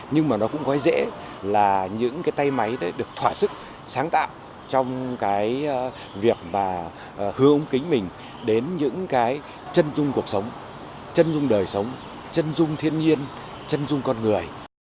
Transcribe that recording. nhưng mà nó cũng quá dễ là những cái tay máy đấy được thỏa sức sáng tạo trong cái việc mà hướng ống kính mình đến những cái trân dung cuộc sống trân dung đời sống trân dung thiên nhiên trân dung con người